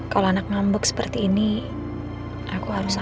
kalo anak ngambek seperti ini aku harus apa